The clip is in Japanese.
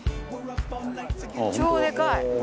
超でかい！